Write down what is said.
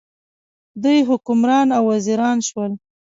دوی حکمران او وزیران شول.